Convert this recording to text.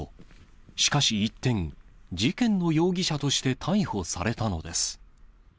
しかし一転、事件の容疑者として逮捕されたのです。